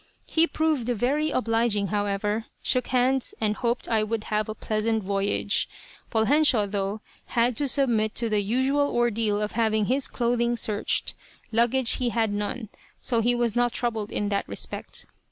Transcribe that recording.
He proved very obliging, however, shook hands, and hoped I would have a pleasant voyage. Poljensio, though, had to submit to the usual ordeal of having his clothing searched. Luggage he had none, so he was not troubled in that respect.